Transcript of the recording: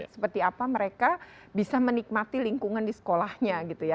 seperti apa mereka bisa menikmati lingkungan di sekolahnya gitu ya